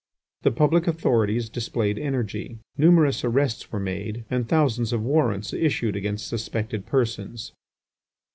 The public authorities displayed energy. Numerous arrests were made and thousands of warrants issued against suspected persons.